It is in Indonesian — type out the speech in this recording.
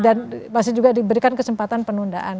dan masih juga diberikan kesempatan penundaan